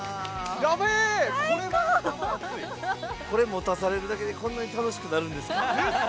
これを持たされるだけでこんなに楽しくなるんですか。